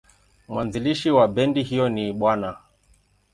Mwanzilishi wa bendi hiyo ni Bw.